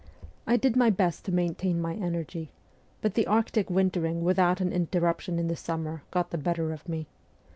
I did my best to maintain my energy, but the ' arctic wintering ' without an interruption in the summer got the better of me.